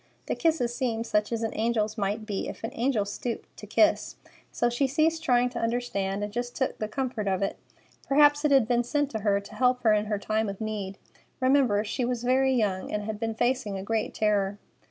The kisses seemed such as an angel's might be, if an angel stooped to kiss. So she ceased trying to understand, and just took the comfort of it. Perhaps it had been sent to her to help her in her time of need. Remember, she was very young, and had been facing a great terror.